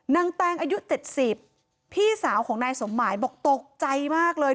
แตงอายุ๗๐พี่สาวของนายสมหมายบอกตกใจมากเลย